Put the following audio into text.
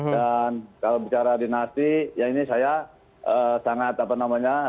dan kalau bicara dinasti yang ini saya sangat apa namanya